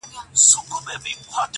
له ږيري ئې واخيست پر برېت ئې کښېښووی.